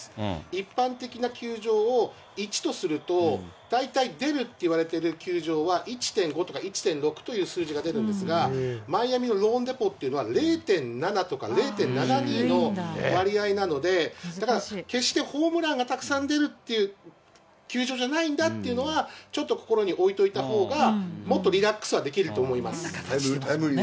一般的な球場を１とすると、大体出るっていわれてる球場は１．５とか、１．６という数字が出るんですが、マイアミのローンデポというのは０．７とか０．７２の割合なので、だから決してホームランがたくさん出るっていう球場じゃないんだっていうのは、ちょっと心に置いといたほうが、もっとリラックスはできると思います。